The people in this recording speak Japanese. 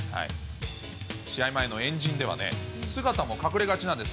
試合前の円陣ではね、姿も隠れがちなんです。